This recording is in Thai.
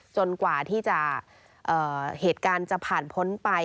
กว่าที่เหตุการณ์จะผ่านพ้นไป